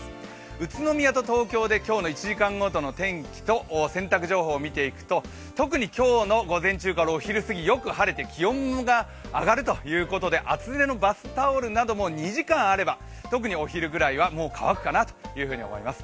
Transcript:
宇都宮と東京で今日の１時間ごとの天気と洗濯情報を見ていくと、特に今日の午前中からお昼過ぎ、よく晴れて気温が上がるということで、厚手のバスタオルなども２時間あれば特にお昼ぐらいはもう乾くかなと思います。